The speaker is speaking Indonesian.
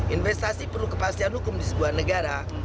investasi perlu kepastian hukum di sebuah negara